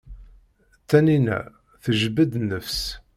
Taninna tejbed nnefs.